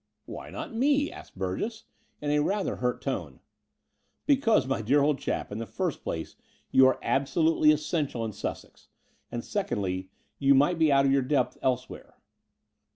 "Why not me?" asked Burgess in rather a hurt tone. "Because, my dear old chap, in the first place you are absolutely essential in Sussex; and, secondly, you might be out of your depth dse where."